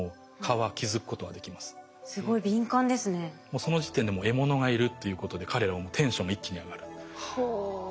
もうその時点でもう獲物がいるっていうことで彼らはもうテンションが一気に上がる。はあ。